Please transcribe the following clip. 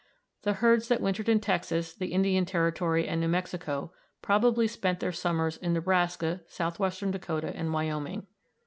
The herds that wintered in Texas, the Indian Territory, and New Mexico probably spent their summers in Nebraska, southwestern Dakota, and Wyoming.